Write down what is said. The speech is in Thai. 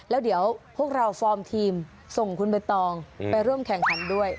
แล้วเดี๋ยวพวกเราฟอร์มทีมส่งคุณใบตองไปร่วมแข่งขันด้วย